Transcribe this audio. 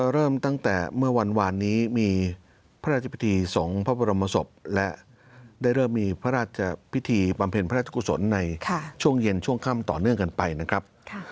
เริ่มตั้งแต่เมื่อวานนี้มีพระราชพิธีส่งพระบรมศพและได้เริ่มมีพระราชพิธีบำเพ็ญพระราชกุศลในช่วงเย็นช่วงค่ำต่อเนื่องกันไปนะครับ